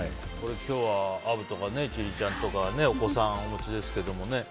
今日はアブとか千里ちゃんとかお子さんをお持ちですけどね。